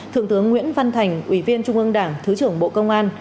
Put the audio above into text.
thượng tướng nguyễn văn thành ủy viên trung ương đảng thứ trưởng bộ công an